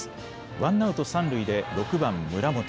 ワンアウト三塁で６番・村本。